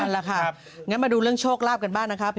แหละค่ะงั้นมาดูเรื่องโชคลาภกันบ้างนะครับ